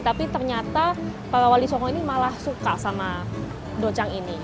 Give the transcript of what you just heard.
tapi ternyata pak wali songo ini malah suka sama dojang ini